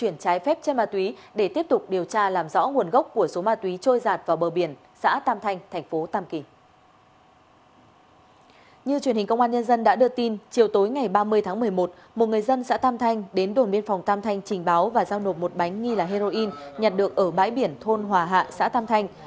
như truyền hình công an nhân dân đã đưa tin chiều tối ngày ba mươi tháng một mươi một một người dân xã tam thanh đến đồn biên phòng tam thanh trình báo và giao nộp một bánh nghi là heroin nhặt được ở bãi biển thôn hòa hạ xã tam thanh